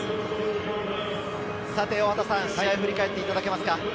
試合を振り返っていただけますか。